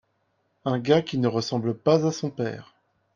Un gars qui ne ressemble pas à son père.